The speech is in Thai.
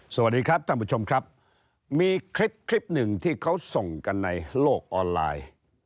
สวัสดีครับท่านผู้ชมครับมีคลิปคลิปหนึ่งที่เขาส่งกันในโลกออนไลน์